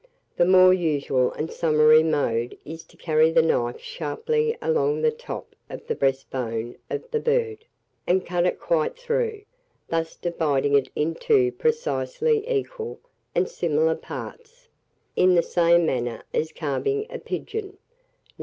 The more usual and summary mode is to carry the knife sharply along the top of the breastbone of the bird, and cut it quite through, thus dividing it into two precisely equal and similar parts, in the same manner as carving a pigeon, No.